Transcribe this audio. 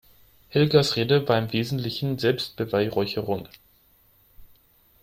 Helgas Rede war im Wesentlichen Selbstbeweihräucherung.